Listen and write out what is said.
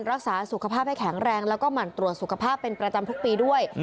รักษาสุขภาพให้แข็งแรงแล้วก็หมั่นตรวจสุขภาพเป็นประจำทุกปีด้วย